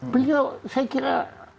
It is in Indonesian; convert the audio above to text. beliau saya kira